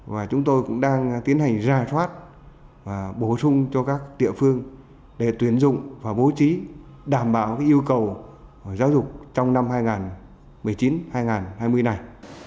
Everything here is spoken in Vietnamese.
và chúng tôi cũng đang tiến hành ra thoát và bổ sung cho các địa phương để tuyển dụng và bố trí đảm bảo yêu cầu giáo dục trong năm hai nghìn một mươi chín hai nghìn hai mươi này